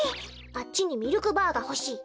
あっちにミルクバーがほしい。